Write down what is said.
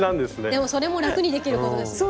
でもそれも楽にできることですもんね。